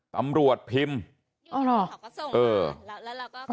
ตำรวจพิมพ์